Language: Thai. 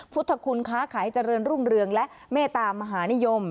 พุทธคุณค้าขายเจริญรุ่งเรืองและเมตามหานิยม